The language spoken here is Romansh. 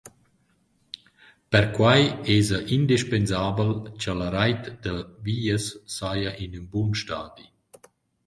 Perquai esa indispensabel cha la rait da vias saja in ün bun stadi.